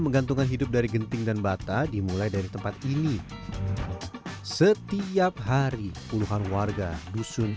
menggantungkan hidup dari genting dan bata dimulai dari tempat ini setiap hari puluhan warga dusun